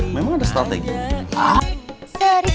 memang ada strategi